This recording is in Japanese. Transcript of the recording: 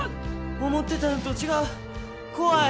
思ってたのと違う怖い！